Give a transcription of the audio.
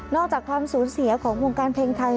อกจากความสูญเสียของวงการเพลงไทย